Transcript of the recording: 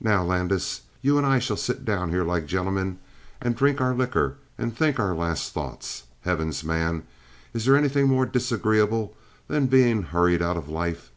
Now, Landis, you and I shall sit down here like gentlemen and drink our liquor and think our last thoughts. Heavens, man, is there anything more disagreeable than being hurried out of life?